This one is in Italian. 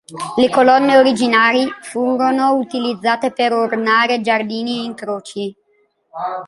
Le colonne originali furono utilizzate per ornare giardini e incroci.